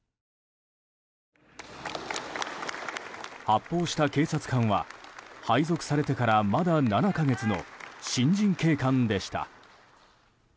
発砲した警察官は配属されてからまだ７か月の新人警官でした。